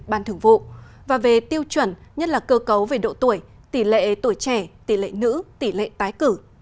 ban thường vụ và về tiêu chuẩn nhất là cơ cấu về độ tuổi tỷ lệ tuổi trẻ tỷ lệ nữ tỷ lệ tái cử